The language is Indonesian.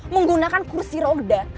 menggunakan kursi roda